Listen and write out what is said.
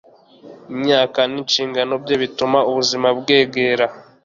Imyaka n'inshingano bye bituma ubuzima bwegera